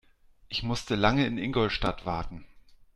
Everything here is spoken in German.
Ich musste lange in Ingolstadt warten